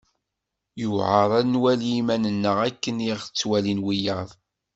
Yuεer ad nwali iman-nneɣ akken i ɣ-ttwalin wiyaḍ.